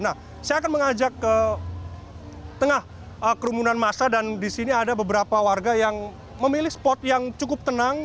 saya akan mengajak ke tengah kerumunan massa dan disini ada beberapa warga yang memilih spot yang cukup tenang